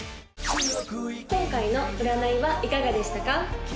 今回の占いはいかがでしたか？